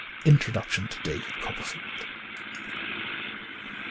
Introdtution to ' David Copperfield.''